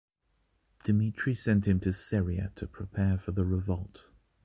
Demetri sent him to Syria to prepare for the revolt.